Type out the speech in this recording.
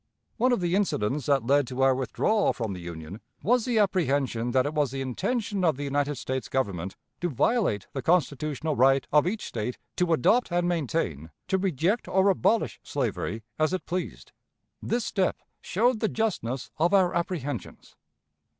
One of the incidents that led to our withdrawal from the Union was the apprehension that it was the intention of the United States Government to violate the constitutional right of each State to adopt and maintain, to reject or abolish slavery, as it pleased. This step showed the justness of our apprehensions.